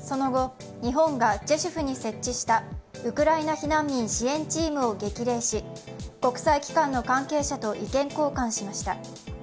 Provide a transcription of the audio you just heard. その後、日本がジェシュフに設置したウクライナ避難民支援チームを激励し、国際機関の関係者と意見交換しました。